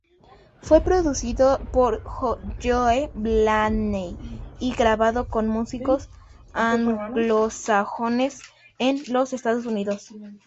Fue producido por Joe Blaney y grabado con músicos anglosajones en los Estados Unidos.